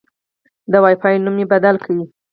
د وای فای نوم مې بدل کړ.